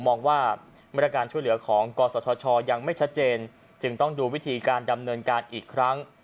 มองว่ามาตรการช่วยเหลือของกศธชยังไม่ชัดเจนจึงต้องดูวิธีการดำเนินการอีกครั้ง